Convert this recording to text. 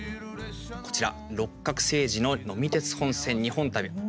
こちら「六角精児の呑み鉄本線・日本旅」。